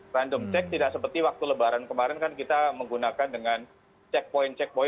random check tidak seperti waktu lebaran kemarin kan kita menggunakan dengan checkpoint checkpoint